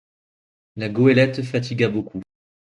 La goëlette fatigua beaucoup.